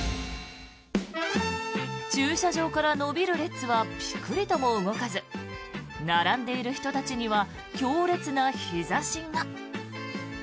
駐車場から延びる列はピクリとも動かず並んでいる人たちには強烈な日差しが。